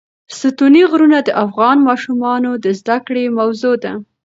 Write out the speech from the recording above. ستوني غرونه د افغان ماشومانو د زده کړې موضوع ده.